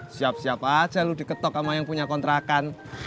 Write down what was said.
siap siap aja lu diketok sama yang punya kontrakan